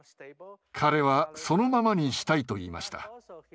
彼はそのままにしたいと言いました。